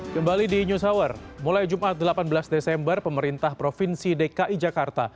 kembali di news hour mulai jumat delapan belas desember pemerintah provinsi dki jakarta